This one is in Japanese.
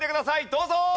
どうぞ！